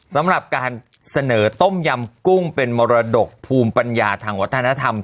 สำหรับการเสนอต้มยำกุ้งเป็นมรดกภูมิปัญญาทางวัฒนธรรม